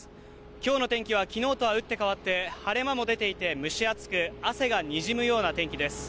今日の天気は昨日とは打って変わって晴れ間も出ていて蒸し暑く、汗がにじむような天気です